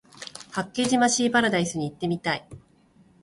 八景島シーパラダイスに行ってみたい